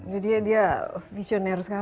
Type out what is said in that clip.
jadi dia visioner sekali ya